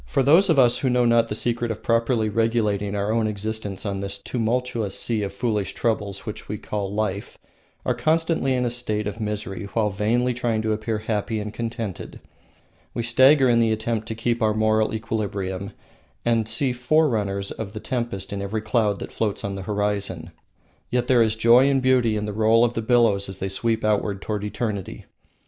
Those of us who know not the secret of properly regulating our own existence on this tumultuous sea of foolish troubles which we call life are constantly in a state of misery while vainly trying to appear happy and contented. We stagger in the attempt to keep our moral equilibrium, and see forerunners of the tempest in every cloud that floats on the horizon. Yet there is joy and beauty in the roll of billows as they sweep outward toward eternity.